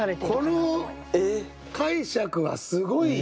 この解釈はすごいよ。